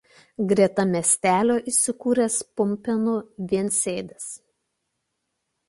Greta miestelio įsikūręs Pumpėnų viensėdis.